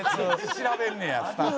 調べんねやスタッフも。